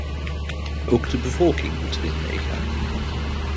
Ook de bevolking moet erin meegaan.